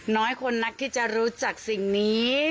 น้อยคนนักที่จะรู้จักสิ่งนี้